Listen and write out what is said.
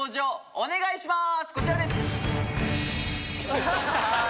お願いします。